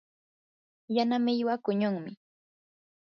yana millwa quñunmi.